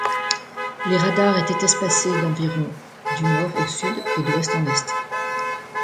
Les radars étaient espacés d’environ du nord au sud et d’ouest en est.